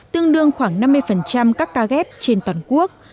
tương đương khoảng năm mươi các ca ghép trên toàn quốc